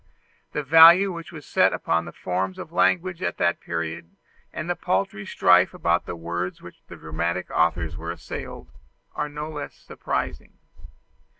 The value which was set upon the forms of language at that period, and the paltry strife about words with which dramatic authors were assailed, are no less surprising.